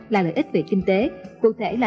là lợi ích về kinh tế cụ thể là